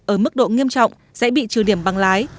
ở mức độ nghiêm trọng sẽ bị trừ điểm bằng lái